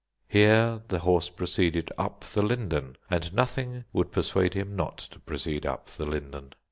Here the horse proceeded up the Linden, and nothing would persuade him not to proceed up the Linden.